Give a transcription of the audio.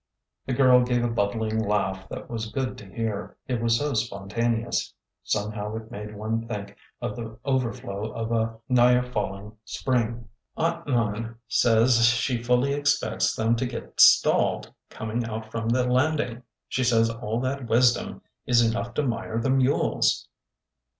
The girl gave a bubbling laugh that was good to hear, it was so spontaneous. Somehow it made one think of the overflow of a neyer failing spring. Aunt Nan says she fully expects them to get stalled coming out from the landing. She says all that wisdom is enough to mire the mules."